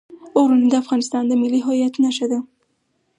غرونه د افغانستان د ملي هویت نښه ده.